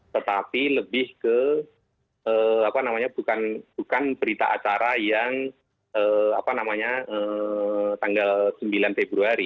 tetapi lebih ke apa namanya bukan berita acara yang tanggal sembilan februari